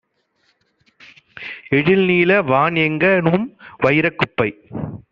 எழில்நீல வான்எங்க ணும்வயிரக் குப்பை!